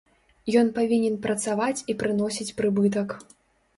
Ён павінен працаваць і прыносіць прыбытак.